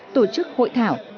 tổ chức hội thảo